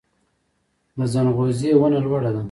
د ځنغوزي ونه لوړه ده